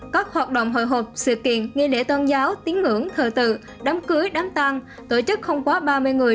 các hoạt động hội hộp sự kiện nghi lễ tôn giáo tiếng ngưỡng thờ tự đám cưới đám tang tổ chức không quá ba mươi người